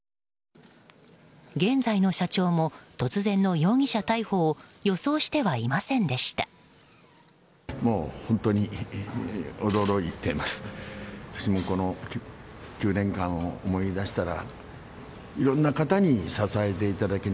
現在の社長も突然の容疑者逮捕を予想してはいませんでした。